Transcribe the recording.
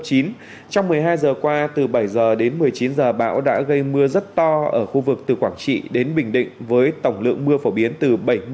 trong một mươi hai giờ qua từ bảy h đến một mươi chín h bão đã gây mưa rất to ở khu vực từ quảng trị đến bình định với tổng lượng mưa phổ biến từ bảy mươi